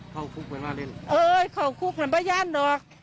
เข้าคุกมันว่าเล่นเออเข้าคุกมันเป็นย่านล่ะ